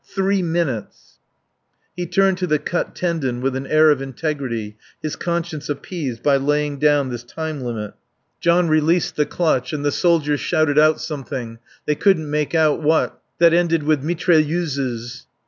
Three minutes." He turned to the cut tendon with an air of integrity, his conscience appeased by laying down this time limit. John released the clutch, and the soldier shouted out something, they couldn't make out what, that ended with "mitrailleuses."